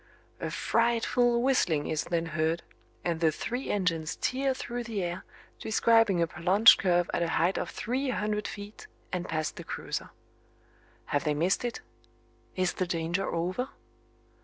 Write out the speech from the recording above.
A frightful whistling is then heard, and the three engines tear through the air, describing a prolonged curve at a height of three hundred feet, and pass the cruiser. Have they missed it? Is the danger over?